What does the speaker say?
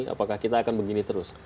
apakah kita akan begini terus